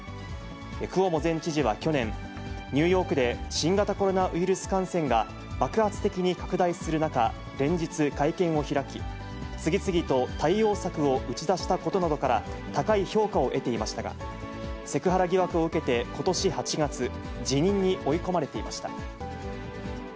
クオモ前知事は去年、ニューヨークで新型コロナウイルス感染が爆発的に拡大する中、連日会見を開き、次々と対応策を打ち出したことなどから、高い評価を得ていましたが、セクハラ疑惑を受けて、ことし８月、辞任に追い込まれていました。